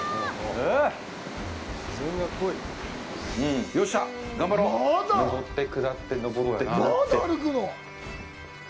上って下って、上って下って。